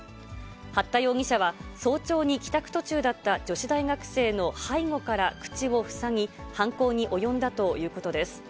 八田容疑者は、早朝に帰宅途中だった女子大学生の背後から口を塞ぎ、犯行に及んだということです。